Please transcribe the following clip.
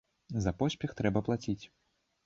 За поспех трэба плаціць.